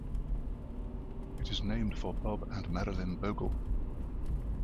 It is named for Bob and Marilyn Bogle.